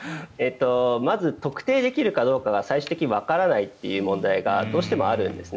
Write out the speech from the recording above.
まず特定できるかどうかが最終的にわからないという問題がどうしてもあるんです。